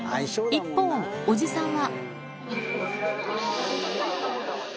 一方、おじさんは。